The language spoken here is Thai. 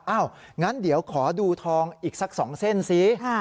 งั้นเดี๋ยวขอดูทองอีกสัก๒เส้นสิ